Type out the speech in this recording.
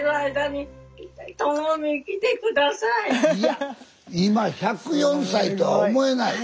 いや今１０４歳とは思えない。